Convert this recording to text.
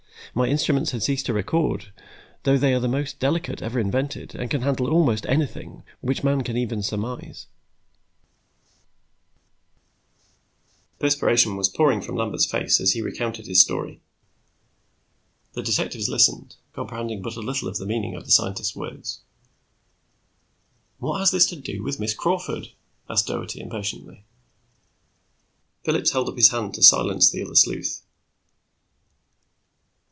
My instruments had ceased to record, though they are the most delicate ever invented and can handle almost anything which man can even surmise." The perspiration was pouring from Lambert's face, as he recounted his story. The detectives listened, comprehending but a little of the meaning of the scientist's words. "What has this to do with Miss Crawford?" asked Doherty impatiently. Phillips held up his hand to silence the other sleuth.